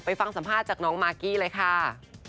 ฟังสัมภาษณ์จากน้องมากกี้เลยค่ะ